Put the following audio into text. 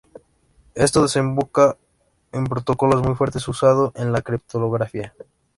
Esto desemboca en protocolos muy fuertes usados en la criptografía.